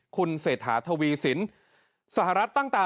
คุณเสถาดุวีศิลป์